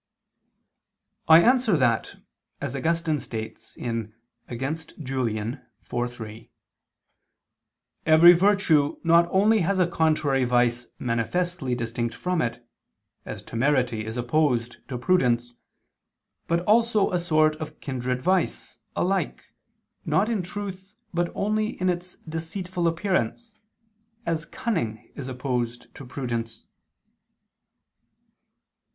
I answer that, As Augustine states (Contra Julian. iv, 3), "every virtue not only has a contrary vice manifestly distinct from it, as temerity is opposed to prudence, but also a sort of kindred vice, alike, not in truth but only in its deceitful appearance, as cunning is opposed to prudence."